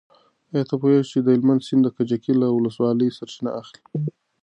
ایا ته پوهېږې چې د هلمند سیند د کجکي له ولسوالۍ سرچینه اخلي؟